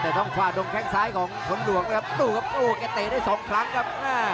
แต่ต้องฝ่าดงแข้งซ้ายของผลหลวงนะครับดูครับโอ้แกเตะได้สองครั้งครับ